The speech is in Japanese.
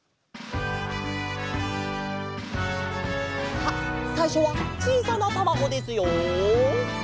さあさいしょはちいさなたまごですよ。